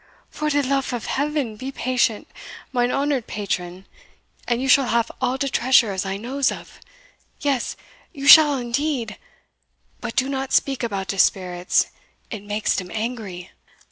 "For de lofe of Heaven be patient, mine honoured patron, and you shall hafe all de treasure as I knows of yes, you shall indeed But do not speak about de spirits it makes dem angry."